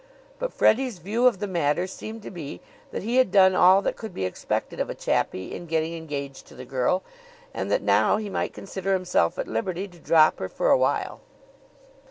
But Freddie's view of the matter seemed to be that he had done all that could be expected of a chappie in getting engaged to the girl, and that now he might consider himself at liberty to drop her for a while.